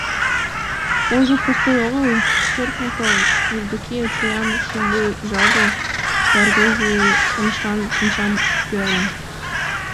— Колжо простой огыл, шӧртньӧ кол, — Евдокия чоян шыргыжале да рвезе-шамычлан шинчам пӱяле.